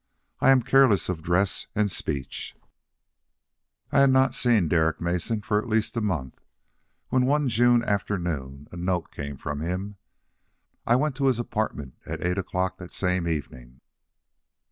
I am careless of dress and speech. I had not seen Derek Mason for at least a month when, one June afternoon, a note came from him. I went to his apartment at eight o'clock the same evening.